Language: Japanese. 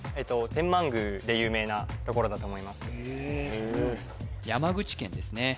天満宮で有名なところだと思います山口県ですね